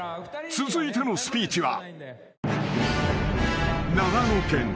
［続いてのスピーチは］